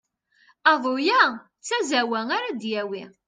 Aḍu-ya d tazawwa ara d-yawi.